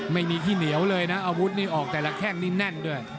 ไม่มีที่เหนียวเลยนะอาวุธนี่ออกแต่ละแข้งนี่แน่นด้วย